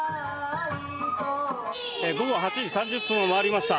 午後８時３０分を回りました。